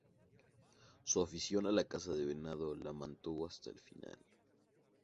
Su afición a la caza del venado la mantuvo hasta el final.